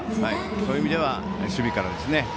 そういう意味では守備から。